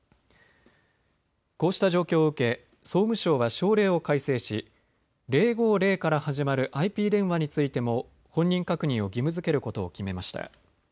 こうした状況を受け総務省は省令を改正し０５０から始まるＩＰ電話についても本人確認を義務づけることを決めました。